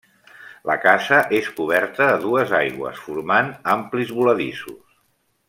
La casa és coberta a dues aigües formant amplis voladissos.